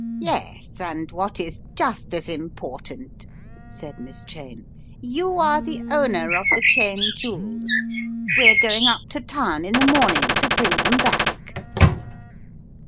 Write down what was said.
"Yes, and what is just as important," said Miss Cheyne, "you are the owner of the Cheyne jewels. We're going up to town in the morning to bring them back."